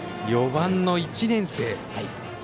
４番の１年生。